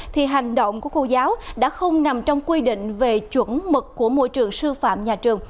thì hành động của cô giáo đã không nằm trong quy định về chuẩn mực của môi trường sư phạm nhà trường